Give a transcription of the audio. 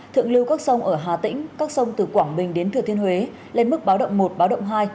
thượng lưu các sông ở hà tĩnh các sông từ quảng bình đến thừa thiên huế lên mức báo động một báo động hai